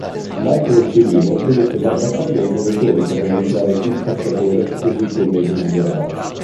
Michael Cimino dovette dar battaglia ai produttori per realizzare "Il cacciatore" così come desiderava.